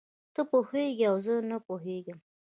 ته پوهېږې او زه نه پوهېږم.